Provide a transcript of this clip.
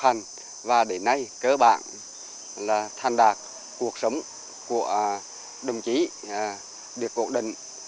để học hành và để này cơ bản là than đạt cuộc sống của đồng chí được cộng đình